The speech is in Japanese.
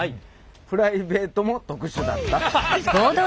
プライベートも特殊だった。